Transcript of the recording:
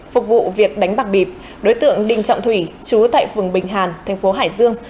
phục vụ việc đánh bạc bịp đối tượng đinh trọng thủy chú tại phường bình hàn thành phố hải dương